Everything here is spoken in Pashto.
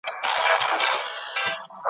چي په یاد زموږ د ټولواک زموږ د پاچا یې ,